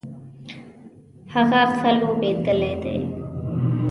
هغه ښه لوبیدلی دی